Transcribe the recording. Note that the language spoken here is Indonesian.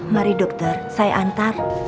mari dokter saya antar